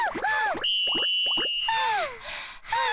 はあはあ。